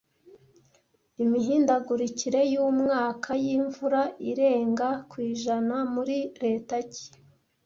Imihindagurikire yumwaka yimvura irenga ku ijana muri leta ki